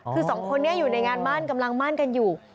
คือสองคนนี้อยู่ในงานมั่นกำลังมั่นกันอยู่